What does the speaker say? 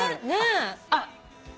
あっ。